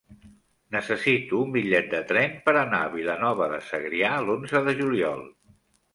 Necessito un bitllet de tren per anar a Vilanova de Segrià l'onze de juliol.